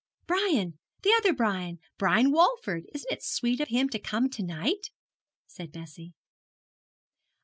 'Brian the other Brian Brian Walford! Isn't it sweet of him to come to night?' said Bessie.